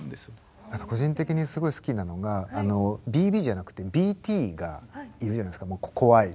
個人的にすごい好きなのがＢＢじゃなくてＢＴがいるじゃないですか怖いＢＴが。